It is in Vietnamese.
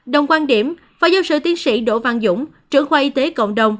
đồng quan điểm phó giáo sư tiến sĩ đỗ văn dũng trưởng khoa y tế cộng đồng